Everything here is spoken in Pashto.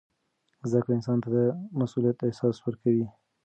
زده کړه انسان ته د مسؤلیت احساس ورکوي.